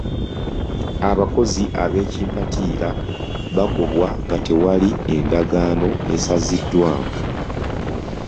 Abakozi ab'ekimpatiira bagobwa nga tewali endagaano esaziddwamu.